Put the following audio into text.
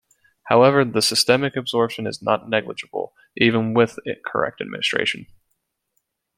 However, the systemic absorption is not negligible even with correct administration.